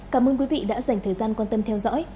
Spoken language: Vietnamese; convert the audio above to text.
cảm ơn quý vị đã dành thời gian quan tâm theo dõi